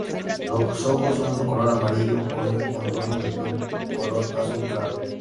Los ojos son de color amarillo con un contorno de piel color azul claro.